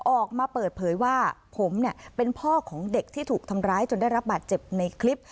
ออกมาเปิดเผยว่าผมเนี่ยเป็นพ่อของเด็กที่ถูกทำร้ายจนได้รับบาดเจ็บในคลิป